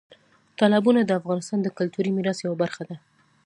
تالابونه د افغانستان د کلتوري میراث یوه برخه ده.